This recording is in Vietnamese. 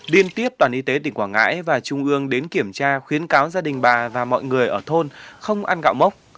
liên tiếp đoàn y tế tỉnh quảng ngãi và trung ương đến kiểm tra khuyến cáo gia đình bà và mọi người ở thôn không ăn gạo mốc